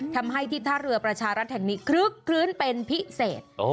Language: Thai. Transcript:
ทำให้ที่ท่าเรือประชารัฐแห่งนี้คลึกคลื้นเป็นพิเศษ